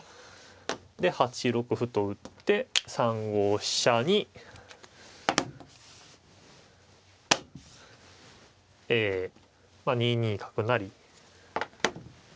で８六歩と打って３五飛車にえ２二角成。